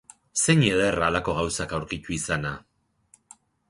Zein ederra halako gauzak aurkitu izana!